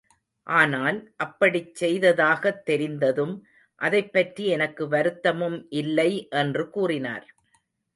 ஆனால், அப்படிச் செய்ததாகத் தெரிந்ததும், அதைப் பற்றி எனக்கு வருத்தமும் இல்லை என்று கூறினார்.